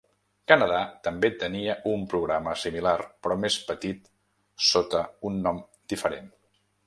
Canadà també tenia un programa similar, però més petit sota un nom diferent.